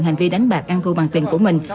hành vi đánh bạc ăn thu bằng tiền của mình